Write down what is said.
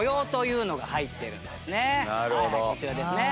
こちらですね。